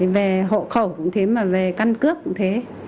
về hộ khẩu cũng thế mà về căn cước cũng thế